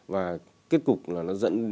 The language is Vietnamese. và kết cục là nó dẫn